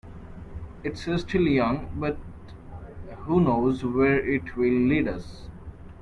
It's still young, but who knows where it will lead us.